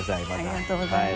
ありがとうございます。